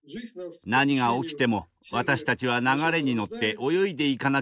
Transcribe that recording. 何が起きても私たちは流れに乗って泳いでいかなければなりません。